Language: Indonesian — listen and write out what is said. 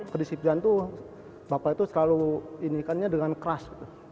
kedisiplinan itu bapak itu selalu indikannya dengan keras